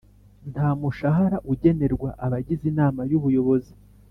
Nta mushahara ugenerwa abagize Inama y’ Ubuyobozi